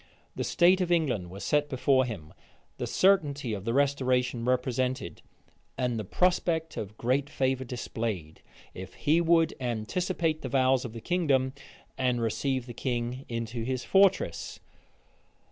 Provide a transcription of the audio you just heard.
The state of England was set before him, the certainty of the restoration represented, and the prospect of great favor displayed, if he would anticipate the vows of the kingdom, and receive the king into his fortress.